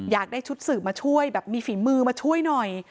อยากได้ชุดสืบมาช่วยแบบมีฝีมือมาช่วยหน่อย